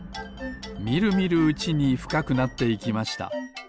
みるみるうちにふかくなっていきました。